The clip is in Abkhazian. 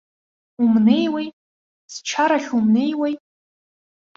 Умнеиуеи, счарахь умнеиуеи?